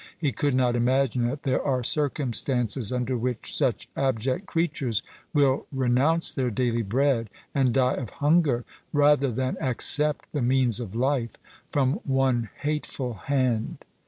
He could not imagine that there are circumstances under which such abject creatures will renounce their daily bread, and die of hunger, rather than accept the means of life from one hateful hand.